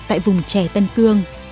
tại vùng trẻ tân cương